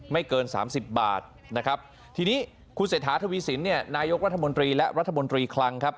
ไม่เกิน๓๐บาทนะครับทีนี้คุณเศรษฐาทวีสินนายกรัฐมนตรีและรัฐมนตรีคลังครับ